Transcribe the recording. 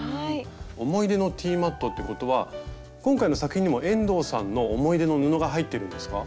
「思い出のティーマット」ってことは今回の作品にも遠藤さんの思い出の布が入ってるんですか？